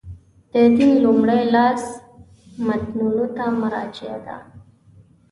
د دین لومړي لاس متنونو ته مراجعه ده.